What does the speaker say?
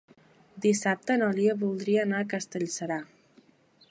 Dissabte na Lia voldria anar a Castellserà.